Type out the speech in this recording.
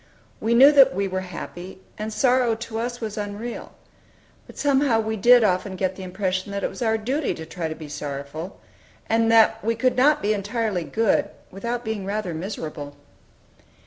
We knew that we were happy, and sorrow to us was unreal. But somehow we did often get the impression that it was our duty to try to be sorrowful; and that we could not be entirely good, without being rather miserable.